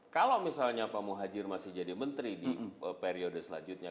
kalau misalnya pak muhajir masih jadi menteri di periode selanjutnya